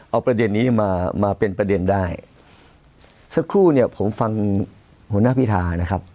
เอาประเด็นนี้มามาเป็นประเด็นได้สักครู่เนี่ยผมฟังหัวหน้าพิธานะครับ